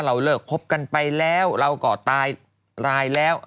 เราเลิกคบกันไปแล้วเราก่อตายรายแล้ว